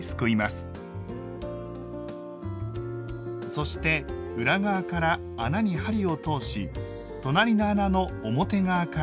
そして裏側から穴に針を通し隣の穴の表側から針を入れます。